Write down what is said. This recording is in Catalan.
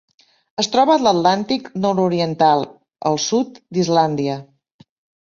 Es troba a l'Atlàntic nord-oriental: el sud d'Islàndia.